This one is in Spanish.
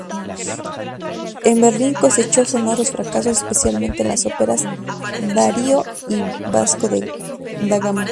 En Berlín cosechó sonoros fracasos, especialmente con las óperas "Dario" y "Vasco da Gama".